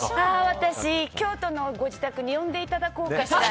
私、京都のご自宅に呼んでいただこうかしら。